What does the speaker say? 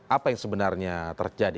apa yang sebenarnya terjadi